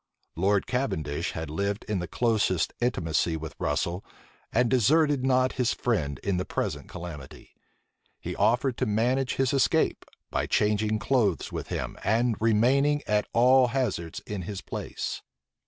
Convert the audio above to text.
Lord Cavendish had lived in the closest intimacy with Russel, and deserted not his friend in the present calamity. He offered to manage his escape, by changing clothes with him, and remaining at al hazards in his place.